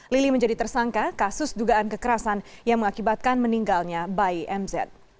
lili menjadi tersangka kasus dugaan kekerasan yang mengakibatkan meninggalnya bayi mz